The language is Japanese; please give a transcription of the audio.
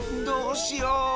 どうしよう。